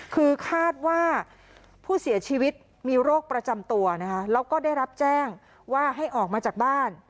คือคาดว่าผู้เสียชีวิตมีโรคประจำตัวนะคะแล้วก็ได้รับแจ้งว่าให้ออกมาจากบ้าน